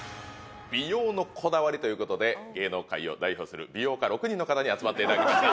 美容のこだわりということで芸能界を代表する美容家６人の方に集まっていただきました